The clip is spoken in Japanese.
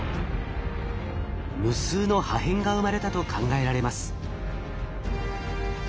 無数の破片が生まれたと考えられます。